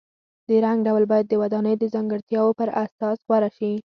د رنګ ډول باید د ودانۍ د ځانګړتیاو پر اساس غوره شي.